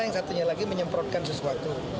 yang satunya lagi menyemprotkan sesuatu